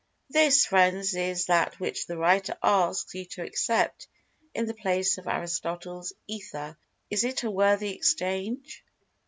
[Pg 185] This, friends, is that which the writer asks you to accept in the place of Aristotle's Ether. Is it a worthy exchange?